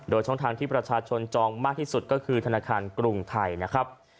โดยช่องทางที่ประชาชนจองมากที่สุดก็คือธนาคารกรุงไทยนะครับ